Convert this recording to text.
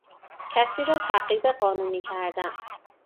کسی را تعقیب قانونی کردن